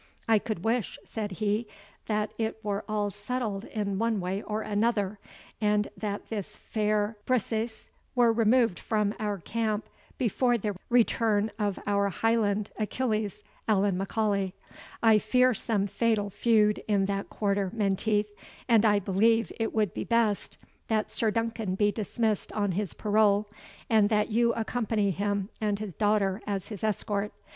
"I could wish," said he, "that it were all settled in one way or another, and that this fair Briseis were removed from our camp before the return of our Highland Achilles, Allan M'Aulay. I fear some fatal feud in that quarter, Menteith and I believe it would be best that Sir Duncan be dismissed on his parole, and that you accompany him and his daughter as his escort.